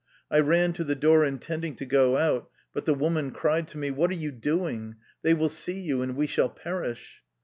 I ran to the ^oor, intending to go out, but the woman cried to me: "What are you doing? They will see you, and we shall perish.'